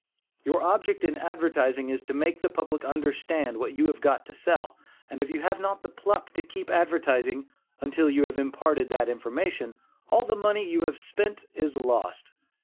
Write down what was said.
Your object in advertising is to make the public understand what you have got to sell, and if you have not the pluck to keep advertising, until you have imparted that information, all the money you have spent is lost.